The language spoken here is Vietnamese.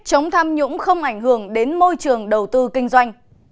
chống tham nhũng không ảnh hưởng đến môi trường đầu tư kinh doanh